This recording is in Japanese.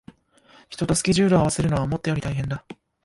人とスケジュールを合わせるのは思ったより大変だ